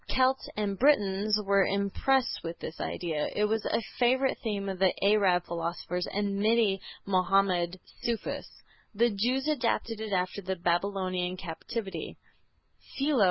Celts and Britons were impressed with this idea. It was a favorite theme of the Arab philosophers and many Mahomedan Sufis. The Jews adopted it after the Babylonian captivity.